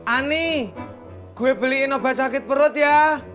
ani gue beliin obat sakit perut ya